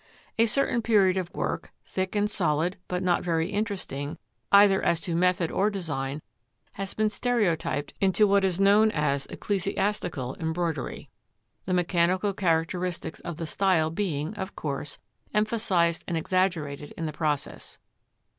A certain period of work, thick and solid, but not very interesting, either as to method or design, has been stereotyped into what is known as Ecclesiastical Embroidery, the mechanical characteristics of the style being, of course, emphasised and exaggerated in the process.